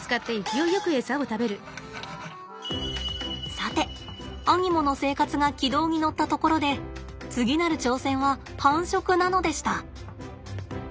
さてアニモの生活が軌道に乗ったところで次なる挑戦は繁殖なのでした。